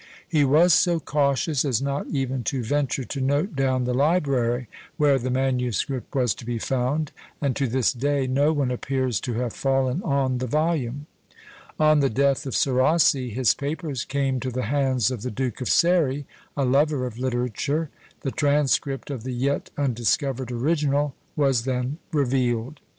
He was so cautious as not even to venture to note down the library where the manuscript was to be found, and to this day no one appears to have fallen on the volume! On the death of Serassi, his papers came to the hands of the Duke of Ceri, a lover of literature; the transcript of the yet undiscovered original was then revealed!